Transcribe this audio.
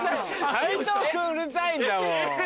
斉藤君うるさいんだもん。